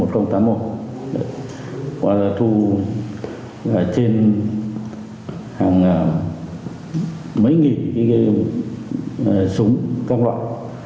và thu trên hàng mấy nghìn cái súng các loại